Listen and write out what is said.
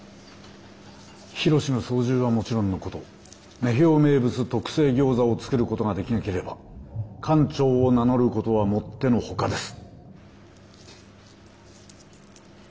緋炉詩の操縦はもちろんのこと女豹名物特製ギョーザを作ることができなければ艦長を名乗ることはもっての外です。